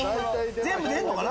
全部出るのかな？